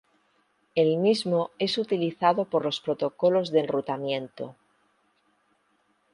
El mismo es utilizado por los protocolos de enrutamiento.